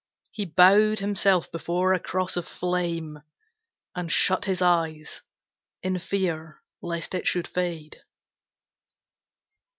He bowed himself before a cross of flame And shut his eyes in fear lest it should fade.